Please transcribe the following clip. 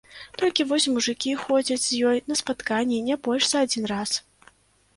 Толькі вось мужыкі ходзяць з ёй на спатканні не больш за адзін раз.